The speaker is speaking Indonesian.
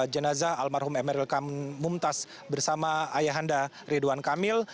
jenazah almarhum emeril kamuntas bersama ayahanda ridwan kamil